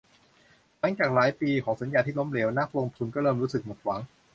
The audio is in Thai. หลังจากหลายปีของสัญญาที่ล้มเหลว นักลงทุนก็เริ่มรู้สึกหมดหวัง